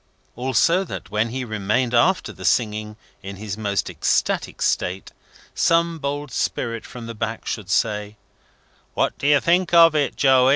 Also that when he remained after the singing in his most ecstatic state, some bold spirit from the back should say, "What do you think of it, Joey?"